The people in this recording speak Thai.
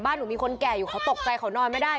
หนูมีคนแก่อยู่เขาตกใจเขานอนไม่ได้